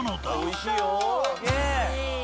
おいしいよ。